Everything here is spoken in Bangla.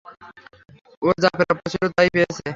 ওর যা প্রাপ্য ছিল তাই পেয়েছে।